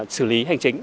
sử lý hành chính